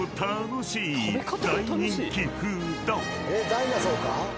ダイナソーか？